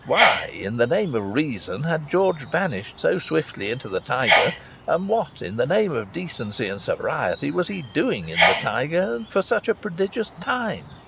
Why, in the name of reason, had George vanished so swiftly into the Tiger, and what in the name of decency and sobriety was he doing in the Tiger such a prodigious time?